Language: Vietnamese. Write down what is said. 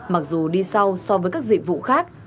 mặc dù đi sau so với các dịch vụ khác